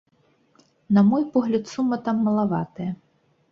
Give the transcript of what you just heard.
Нам мой погляд, сума там малаватая.